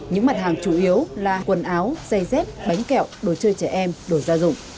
những mặt hàng chủ yếu là quần áo giày dép bánh kẹo đồ chơi trẻ em đồ gia dụng